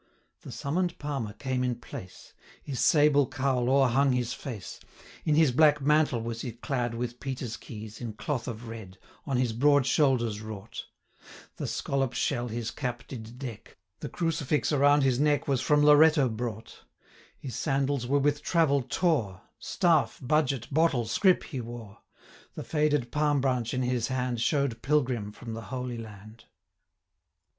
The summon'd Palmer came in place; 460 His sable cowl o'erhung his face; In his black mantle was he clad, With Peter's keys, in cloth of red, On his broad shoulders wrought; The scallop shell his cap did deck; 465 The crucifix around his neck Was from Loretto brought; His sandals were with travel tore, Staff, budget, bottle, scrip, he wore; The faded palm branch in his hand 470 Show'd pilgrim from the Holy Land.